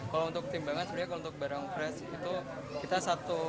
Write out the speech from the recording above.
kalau untuk timbangan sebenarnya kalau untuk barang fresh itu kita satu